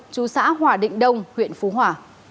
chú xã hòa định đông huyện phú hòa